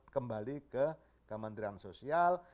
kembali ke kementerian sosial